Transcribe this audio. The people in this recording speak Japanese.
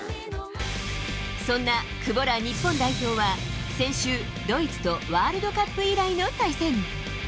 そんな久保ら日本代表は先週、ドイツとワールドカップ以来の対戦。